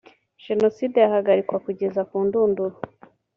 jenoside yahagarikwa kugeza kundunduro